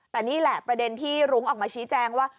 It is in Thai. แต่นี่แหละประเด็นที่รุ้งออกมาชี้แจงว่า